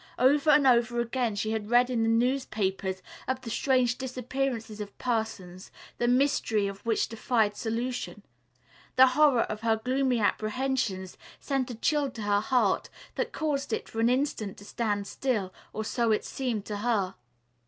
Over and over again she had read in the newspapers of the strange disappearances of persons, the mystery of which defied solution. The horror of her gloomy apprehensions sent a chill to her heart that caused it for an instant to stand still, or so it seemed to her.